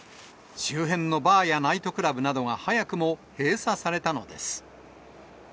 周辺のバーやナイトクラブなどが早くも閉鎖されたのです。